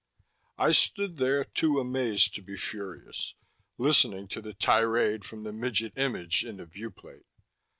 I stood there, too amazed to be furious, listening to the tirade from the midget image in the viewplate.